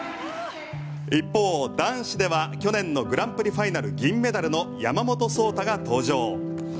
一方、男子では去年のグランプリファイナル銀メダルの山本草太が登場。